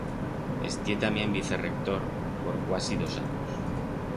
Estié tamién vicerrector por cuasi dos anyos.